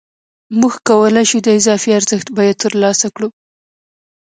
موږ کولای شو د اضافي ارزښت بیه ترلاسه کړو